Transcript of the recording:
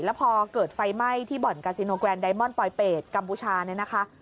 แล้วพอเกิดไฟไหม้ที่บ่อนกาซิโนแกรนไดมอนปลอยเปรตกัมพูชาเนี่ยนะคะ